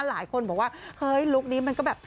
หลายคนบอกว่าเฮ้ยลุคนี้มันก็แบบ